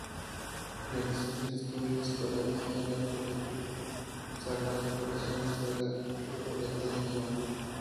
Realizó sus estudios escolares en el colegio Sagrados Corazones La Recoleta de Lima.